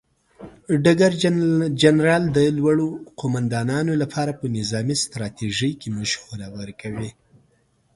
ډګر جنرال د لوړو قوماندانانو لپاره په نظامي ستراتیژۍ کې مشوره ورکوي.